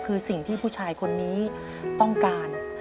คือสิ่งที่ผู้ชายคนนี้ต้องการ